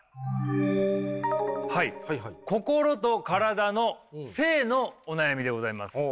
はい心と体の性のお悩みでございます。